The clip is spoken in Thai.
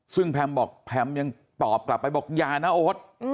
ซึ่งแพมบอกแพมยังตอบกลับไปบอกอย่านะโอ๊ต